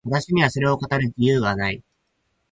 私にはそれを語る自由がない。